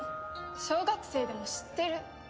小学生でも知ってる。